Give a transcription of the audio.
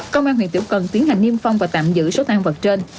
công an huyện tiểu cần tiến hành niêm phong và tạm giữ số tang vật trên